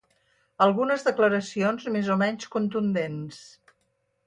Algunes declaracions més o menys contundents.